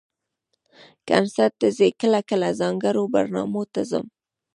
کنسرټ ته ځئ؟ کله کله، ځانګړو برنامو ته ځم